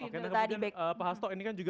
kemudian pak hasto ini kan juga